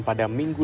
pada minggu ini